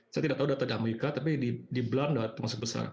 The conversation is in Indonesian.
saya tidak tahu data di amerika tapi di belanda termasuk besar